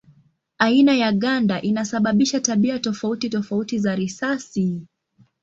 Aina ya ganda inasababisha tabia tofauti tofauti za risasi.